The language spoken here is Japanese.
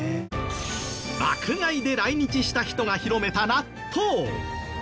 爆買いで来日した人が広めた納豆。